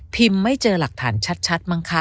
ไม่เจอหลักฐานชัดมั้งคะ